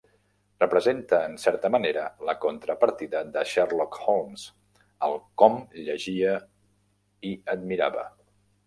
Representa, en certa manera, la contrapartida de Sherlock Holmes, al com llegia i admirava.